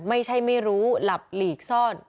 ไม่รู้หลับหลีกซ่อน